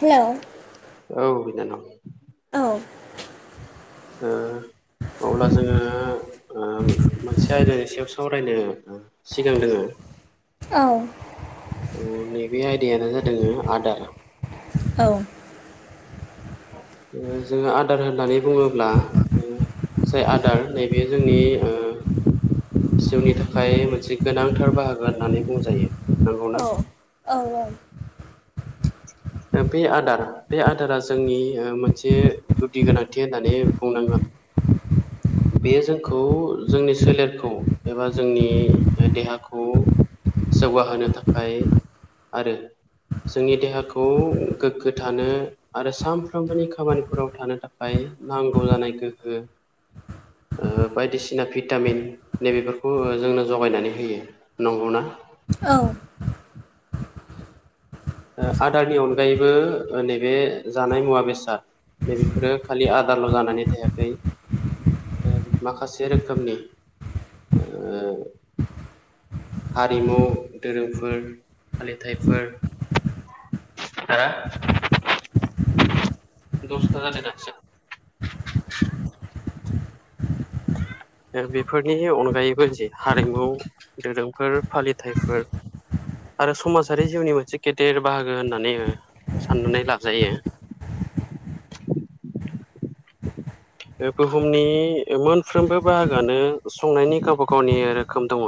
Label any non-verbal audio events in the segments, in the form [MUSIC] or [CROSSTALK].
Hello औ बिनानाव औ ओ अब्ला जोङो ओ मोनसे आयदानि सायाव सावरायनो सिगांदोङो औ औ नैबे आयदायानो जादों आदार औ जोङो आदार होननानै बुङोब्ला जाय आदार नैबे जोंनि जिउनि थाखाय मोनसे गोनांथार बाहागो होननानै बुंजायो। नंगौना औ-औ-औ बे आदार बे आदारा जोंनि मोनसे गुदि गोनांथि होननानै बुंनांगोन। बेयो जोंखौ जोंनि सोलेरखौ एबा जोंनि ओह देहाखौ जौगाहोनो थाखाय आरो जोंनि देहाखौ गोग्गो थानो आरो सामफ्रोमबोनि खामानिफोराव थानो थाखाय नांगौ जानाय गोहो ओह बायदिसिना भिटामिन नैबेफोरखौ ओह जोंनो जगायनानै होयो नंगौना औ ओह आदारनि अनगायैबो ओह नैबे जानाय मुवा बेसाद नैबेफोरो खालि आदारल' जानानै थायाखै ओह माखासे रोखोमनि ओह हारिमु धोरोमफोर फालिथाइफोर [INAUDIBLE] [UNINTELLIGIBLE] [UNINTELLIGIBLE] [INAUDIBLE] ओह बेफोरनि अनगायैबो जे हारिमु धोरोमफोर फालिथाइफोर आरो समाजारि जिउनि मोनसे गेदेर बाहागो होननानैबो साननानै लाजायो बे बुहुमनि ओह मोनफ्रोमबो बाहागोआनो संनायनि गावबा गावनि रोखोम दङ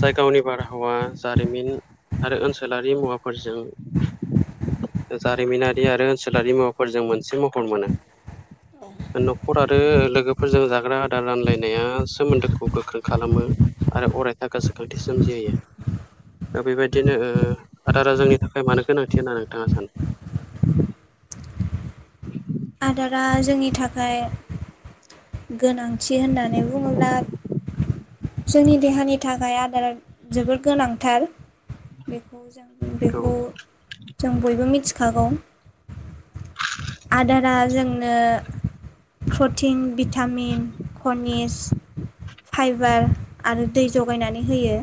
जाय गावनि बारहावा जारिमिन आरो ओनसोलारि मुवाफोरजों ओह जारिमिनारि आरो ओनसोलारि मुवाफोरजों मोनसे महर मोनो न'खर आरो ओह लोगोफोरजों जाग्रा आदार रानलायनाया सोमोन्दोखौ गोख्रों खालामो आरो अरायथा गोसोखांथि सोमजिहयो ओह बेबायदिनो ओह आदारा जोंनि थाखाय मानो गोनांथि होनना नोंथाङा सानो [UNINTELLIGIBLE] [INAUDIBLE] [UNINTELLIGIBLE] [INAUDIBLE] आदारा जोंनि थाखाय गोनां थि होननानै बुङोब्ला जोंनि देहानि थाखाय आदारा जोबोद गोनांथार बेखौ जों नोंथाङा बेखौ जों बयबो मिथिखागौ आदारा जोंनो प्रटिन भिटा भिटामिन कनिस फाइबार आरो दै जगायनानै होयो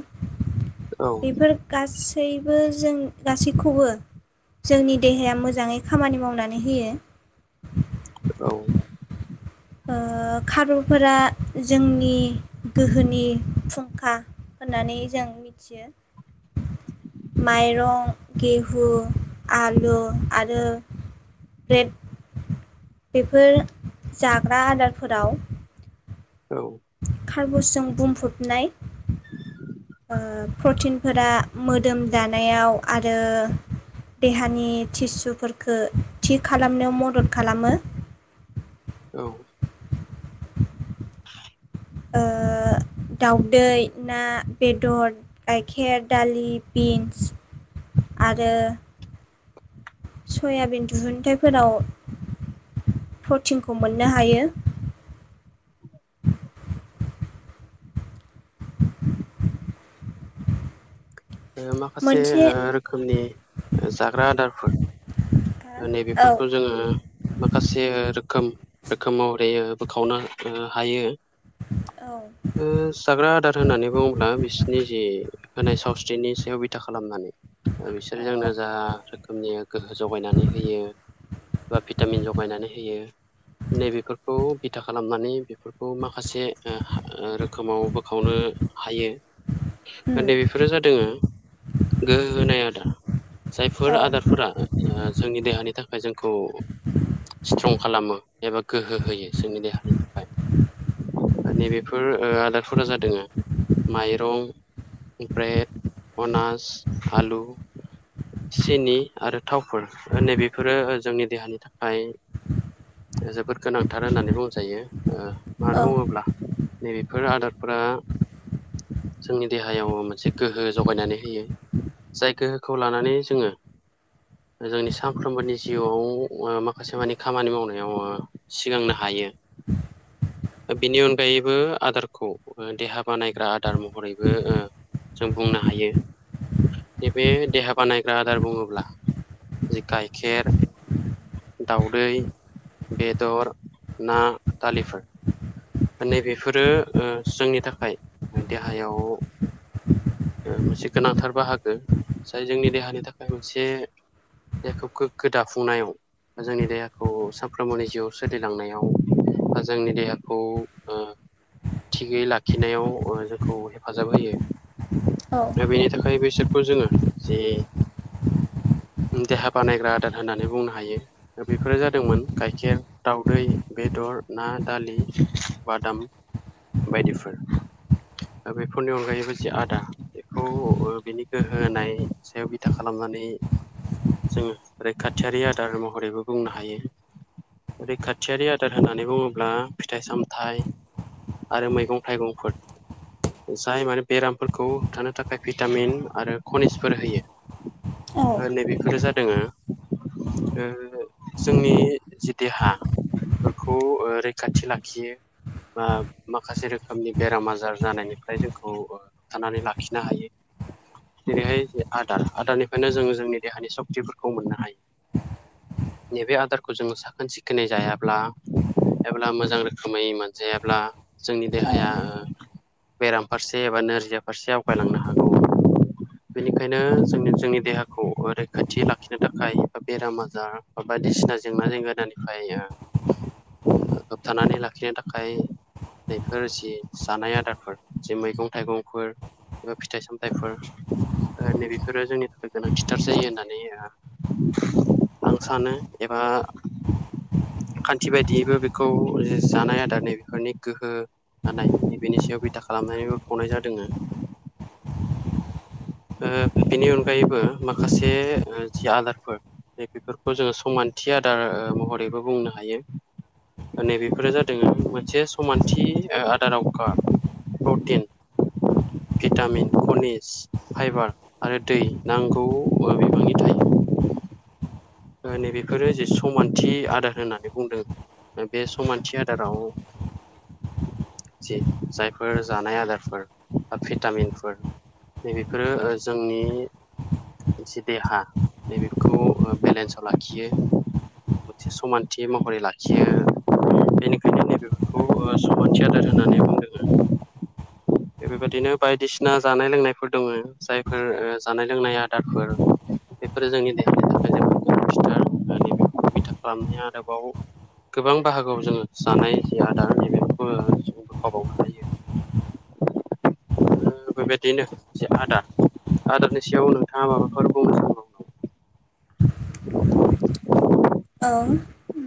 सानो औ बेफोर गासैबो जों गासैखौबो जोंनि देहाया मोजाङै खामानि मावनानै होयो औ ओह खारुफोरा जोंनि गोहोनि फुंखा होननानै जों मिथियो माइरं गेहु आलु आरो ब्रेड बेफोर जाग्रा आदारफोराव औ कार्बसजों बुंफबनाय ओह प्रटिण फोरा मोदोम दानायाव आरो देहानि टिसुफोरखो थि खालामनायाव मदद खालामो औ ओ दाउदै, ना, बेदर, गाइखेर, दालि, बिन्स आरो सयाबिन दिहुनथाइफोराव प्रटिनखौ मोननो हायो। [UNINTELLIGIBLE] ओह माखासे मोनसे ओह रोखोमनि ओ जाग्रा आदारफोर ओह औ नेबेफोरखौ जोङो माखासे रोख खोम ओखोमाव [UNINTELLIGIBLE] औ ओ जाग्रा आदार होननानै बुङोब्ला बिसिनि जि होनाय सावस [UNINTELLIGIBLE] नि सायाव बिथा खालामनानै ओ बिसोर औ जोंनो [UNINTELLIGIBLE] गोहो जगायनानै होयो। बा भिटामिन जगायनानै होयो नैबेफोरखौ बिथा खालामनानै बेफोरखौ माखासे ओ हा ओ रोखोमाव बोखावनो ओ हायो ओ नै बेफोरो जादोंङो ओ गोहो होनाय आदा जायफोर औ आदारफोरा ओ ओ जोंनि देहानि थाखाय जोंखौ [UNINTELLIGIBLE] खालामो एबा गोहो होयो जोंनि देहानि थाखाय नैबेफोर ओ आदारफोरा जादोंङो माइरं [UNINTELLIGIBLE] निफ्राय अनास आलु सिनि आरो थावफोर ओ नै बेफोरो ओ जोंनि देहानि थाखाय ओ जोबोद गोनांथार होननानै बुंजायो ओ मार बुङोब्ला नैबेफोर आदारफोरा जोंनि देहायाव मोनसे गोहो जगायनानै होयो जाय गोहोखौ लानानै जोङो जोंनि सानफ्रोमबोनि जिउआव ओ माखासे मानि खामानि मावनायाव ओ सिगांनो हा [UNINTELLIGIBLE] यो ओ बिनि अनगायैबो आदारखौ ओ देहा बानायग्रा आदार महरैबो ओ जों बुंनो हायो। इबे देहा बानायग्रा आदार बुङोब्ला जि गाइखेर दाउदै बेदर ना दालिफोर नैबेफोरो ओह जोंनि थाखाय ओ देहायाव ओ मोनसे गोनांथार बाहागो जाय जोंनि देहानि थाखाय मोनसे देहाखौ गोग्गो दाफुंनायाव ओ जोंनि देहाखौ साफ्रोमबोनि जिउआव सोलिलांनायाव ओ जोंनि देहाखौ ओ थिगै लाखिनायाव ओ जोंखौ हेफाजाब होयो। दा बेनि थाखाय बैसोरखौ जोङो जे देहा बानायग्रा आदार होननानै बुंनो हायो ओ बेफोरो जादोंमोन गाइखेर दाउदै बेदर ना दालि बादाम बायदिफोर ओ बेफोरनि अनगायैबो जि आदा बेखौ ओ बिनि गोहो होनाय सायाव बिथा खालामना नै जोङो रैखाथियारि आदार महरैबो बुंनो हायो। रैखाथियारि आदार होननानै बुङोब्ला फिथाइ- साम थाय आरो मैगं थाइगंफोर जाय माने बेरामफोरखौ होबथानो थाखाय भिटामिन आरो खनिसफोर होयो औ ओ नैबेफोरो जादों ओ [INAUDIBLE] ओ जोंनि जिति हा फोरखौ ओ रैखाथि लाखियो। बा माखासे रोखोमनि बेराम आजार जानायनिफ्राय जोंखौ ओ होबथानानै लाखिनो हायो। [UNINTELLIGIBLE] जेरैहाय जे आदार आदारनिफ्रायनो जोंङो जोंनि सक्टिफोरखौ मोननो हाय नैबे आदारखौ जोङो साखोन- सिखोनै जायाब्ला एब्ला मोजां रोख खोमै मोनजायाब्ला जोंनि देहाया ओ बेराम फारसे एबा नोरजिया फारसे आवगायलांनो हागौ [UNINTELLIGIBLE] बेनिखायनो जोंनि जोंनि देहाखौ [UNINTELLIGIBLE] लाखिनो थाखाय ओ बेराम आजार [UNINTELLIGIBLE] बायदिसिना जेंनाजों गोदोनिफाय ओ होबथानानै ला नि थाखाय बेफोर जि जानाय आदारफोर जि मैगं थाइगंफोर एबा फिथाइ सामथायफोर ओ नैबेफोरो जोंनि थाखाय गोनांथिथार जायो होननानै ओ आं सानो एबा खान्थि बायदियैबो बेखौ जानाय आदारनि बेफोरनि गोहो नाथाय बेनि सायाव बिथा खालामनानैबो खुंनाय जादोंङो ओ बेनि अनगायैबो माखासे ओ जि आदारफोर जे बेफोरखौ जोङो समानथि आदार ओ महरैबो बुंनो हायो नैबेफोरो जादों मोनसे समानथि ओ आदाराव कार प्रटिन भिटामिन कनिस फाइबार आरो दै नांगौ ओ बिबांनि थायो ओ नैबेफोरो जे समानथि आदार होननानै बुंदों बे समानथि आदाराव जि जायफोर जानाय आदारफोर बा भिटामिनफोर नै बेफोरो ओ जोंनि जि देहा नै बेखौ ओ बेलेन्साव लाखियो मोनसे समानथि महरै लाखियो बेनिखायनो नैबेफोरखौ बेखौ ओ सुमानथि आदार होननानै बुंदोंनो बे बेबायदिनो बायदिसिना जानाय लोंनायफोर दोङो जायफोर ओ जानाय लोंनाय आदारफोर बे जोंनि देहानि थाखाय जोबोर गोनांथिथार होनना बिथा खालामनाया आरोबाव गोबां बाहागोआव जोङो जानाय जि आदार बेफोरखौबो जों बोखावबावनो हायो [INAUDIBLE] ओ बेबायदिनो जे आदार आदारनि सायाव नोंथाङा माबाफोर बुंबावनांगौ [INAUDIBLE] औ उ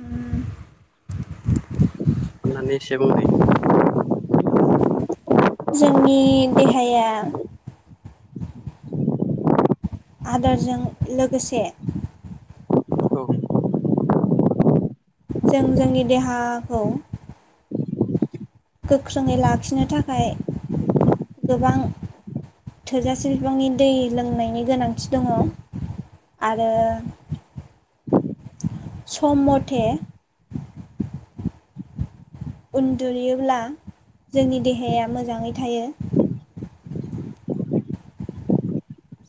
अननानै एसे बुंनाय जोंनि देहाया [INAUDIBLE] आदारजों लोगोसे औ जों जोंनि देहाखौ गोख्रोङै लाखिनो थाखाय गोबां थोजासे बिफांनि दै लोंनायनि गोनांथि दङ आरो सम मथे उन्दुयोब्ला जोंनि देहाया मोजाङै थायो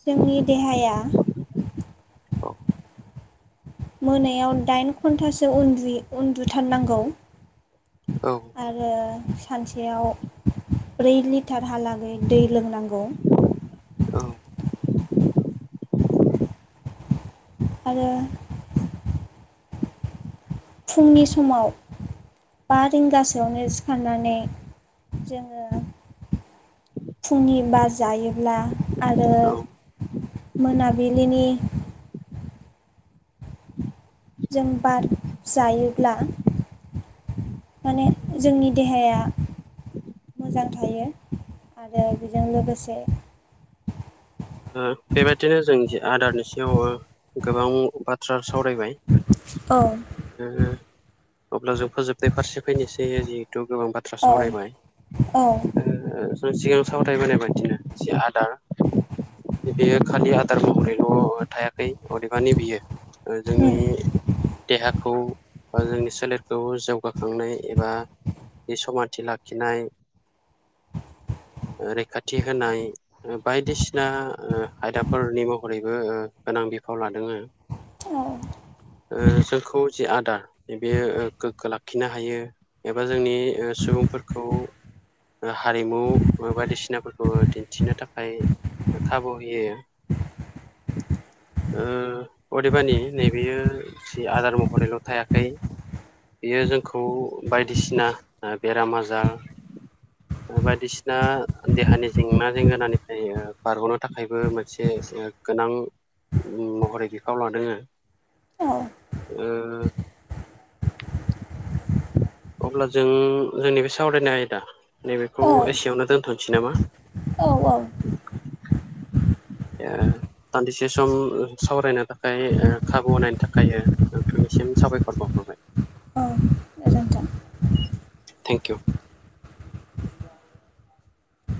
जोंनि देहाया मोनायाव दाइन घन्टासो उन्दुयो उन्दुथारनांगौ औ आरो सानसेयाव ब्रै लिटारहालागै दै लोंनांगौ औ आरो फुंनि समाव बा रिंगासोआवनो सिखारनानै जोङो फुंनि बार जायोब्ला आरो मोनाबिलिनि जों बार जायोब्ला माने जोंनि देहाया मोजां थायो आरो बेजों लोगोसे ओ बेबायदिनो जों आदारनि सायाव ओ गोबां बाथ्रा सावरायबाय। औ। अब्ला जों फोजोबनाय फारसे फैनोसै आरि। थ' गोबां बाथ्रा औ सावरायबाय औ जों सिगां सावरायबोनाय बादिनो जि आदार बियो खालि आदार महरैल' थायाखै अदेबानि बियो ओ जोंनि देहाखौ बा जोंनि सोलेरखौ जौगाखांनाय एबा नि समानथि लाखिनाय रैखाथि होनाय ओ बायदिसिन सिना ओ आयदाफोरनि महरैबो ओ गोनां बिफाव लादोङो। औ ओ जोंखौ जि आदार बेयो गोग्गो लाखिनो हायो एबा जोंनि सुब सुबुंफोरखौ ओ हारिमु बायदिसिनाफोरखौ दिन्थिनो थाखाय खाबु होयो। ओ अदेबानि नैबेयो जि आदार महरैल' थायाखै बियो जोंखौ बायदिसिना बेराम आजार बायदिसिना देहानि जेंना जेंगोनानिफ्राय बारग'नो थाखायबो मोनसे गोनां महरै बिफाव लादोङो। ओ। अब्ला जों जोंनि बे सावरायनाय आयदा नैबेखौ औ एसेयावनो दोनथ'नोसै नामा? औ औ ओ दान्दिसे सम सावरायनो थाखाय ओ खाबु होनायनि थाखाय नोंथांनिम सिम साबायखर बावहरबाय। गोजोन्थों थेंक इउ।